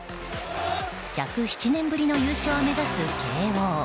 １０７年ぶりの優勝を目指す慶応。